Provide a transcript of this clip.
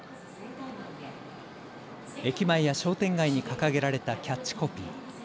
駅前や商店街に掲げられたキャッチコピー。